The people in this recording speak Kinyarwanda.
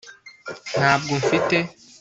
ntabwo mfite